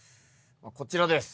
こちらです。